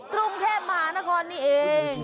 กรุงเทพมหานครนี่เอง